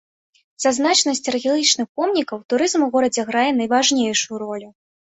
З-за значнасці археалагічных помнікаў турызм у горадзе грае найважнейшую ролю.